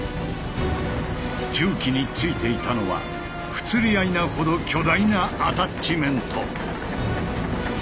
重機に付いていたのは不釣り合いなほど巨大なアタッチメント。